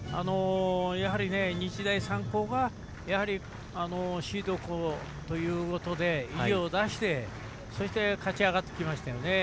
日大三高がシード校ということで意地を出して勝ち上がってきました。